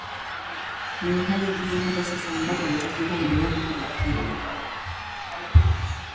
ni wa hali juu hata sasa ambako ni takriban miaka thelathini